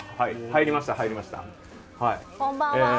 こんばんは！